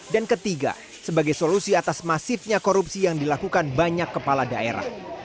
dan ketiga sebagai solusi atas masifnya korupsi yang dilakukan banyak kepala daerah